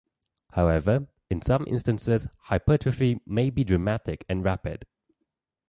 However, in some instances hypertrophy may be dramatic and rapid.